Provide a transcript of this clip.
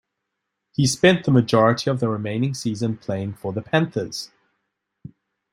He spent the majority of the remaining season playing for the Panthers.